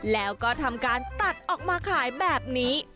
แล้วก็ทำการตัดออกมาขายแบบนี้